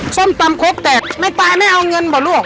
ส้มตำครกแตกไม่ตายไม่เอาเงินเหรอลูก